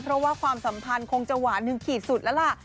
เพราะว่าความสัมพันธ์คงจะหวานถึงขีดสุดแล้วล่ะ